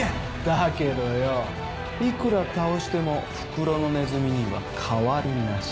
だけどよいくら倒しても袋のネズミには変わりなし。